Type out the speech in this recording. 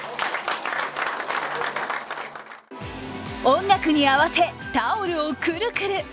音楽に合わせ、タオルをクルクル。